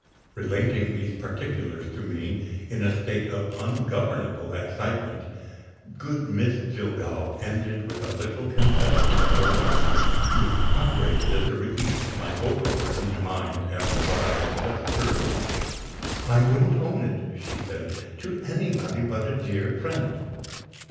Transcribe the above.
Relating these particulars to me, in a state of ungovernable excitement, good Miss Jillgall ended with a little confession of her own, which operated as a relief to my overburdened mind after what I had just heard. "I wouldn't own it," she said, "to anybody but a dear friend.